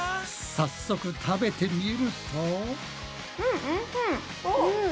早速食べてみると。